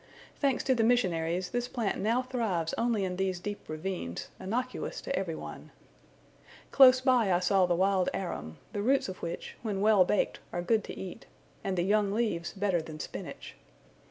Thanks to the missionaries, this plant now thrives only in these deep ravines, innocuous to every one. Close by I saw the wild arum, the roots of which, when well baked, are good to eat, and the young leaves better than spinach.